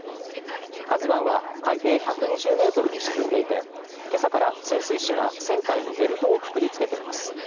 「ＫＡＺＵ１」は海底１２０ｍに沈んでいて今朝から潜水士が船体にベルトをくくりつけています。